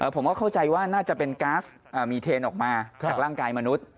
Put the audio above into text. ผมก็เข้าใจว่าน่าจะเป็นก๊าซมีเทนออกมาจากร่างกายมนุษย์